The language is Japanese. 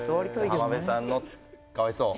浜辺さんのかわいそう？